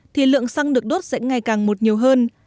thì lượng xăng được đốt sẽ ngày càng một nhiều hơn